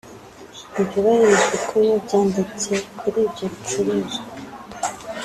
ntibyubahirizwa uko biba byanditse kuri ibyo bicuruzwa